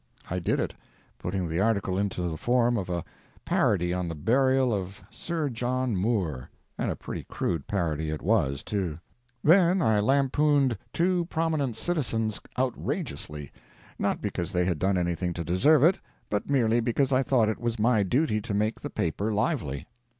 I did it, putting the article into the form of a parody on the Burial of "Sir John Moore"—and a pretty crude parody it was, too. Then I lampooned two prominent citizens outrageously—not because they had done anything to deserve it, but merely because I thought it was my duty to make the paper lively.